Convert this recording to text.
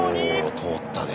お通ったね。